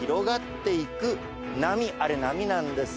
あれ波なんです。